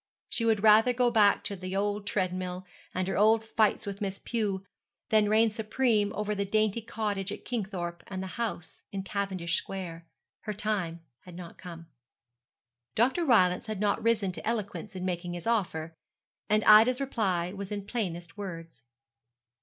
She would rather go back to the old treadmill, and her old fights with Miss Pew, than reign supreme over the dainty cottage at Kingthorpe and the house in Cavendish Square. Her time had not come. Dr. Rylance had not risen to eloquence in making his offer; and Ida's reply was in plainest words.